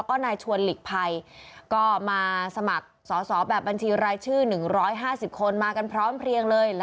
ก็นายชวนหลีกภัยก็มาสมัครสอบแบบบัญชีรายชื่อ๑๕๐คนมากันพร้อมเพลียงเลย